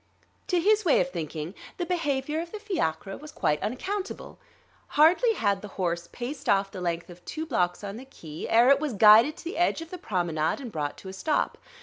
To his way of thinking the behavior of the fiacre was quite unaccountable. Hardly had the horse paced off the length of two blocks on the Quai ere it was guided to the edge of the promenade and brought to a stop.